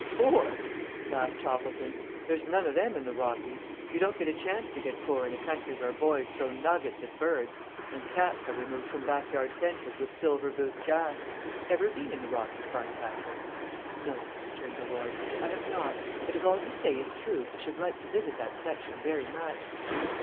"Poor!" laughed Toppleton; "there's none of them in the Rockies. You don't get a chance to get poor in a country where boys throw nuggets at birds, and cats are removed from back yard fences with silver boot jacks. Ever been in the Rockies, Barncastle?" "No," returned the lord, "I have not, but if all you say is true, I should like to visit that section very much."